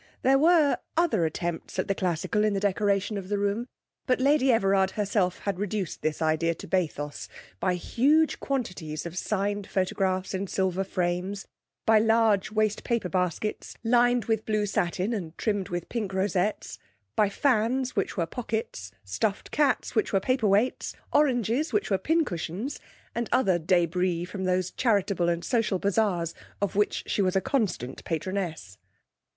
There were other attempts at the classical in the decoration of the room; but Lady Everard herself had reduced this idea to bathos by huge quantities of signed photographs in silver frames, by large waste paper baskets, lined with blue satin and trimmed with pink rosettes, by fans which were pockets, stuffed cats which were paperweights, oranges which were pincushions, and other debris from those charitable and social bazaars of which she was a constant patroness.